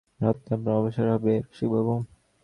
রাত্রে আপনার অবসর হবে রসিকবাবু?